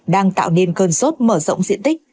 đang tạo nên cơn sốt mở rộng diện tích